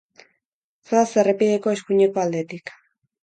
Zoaz errepideko eskuineko aldetik.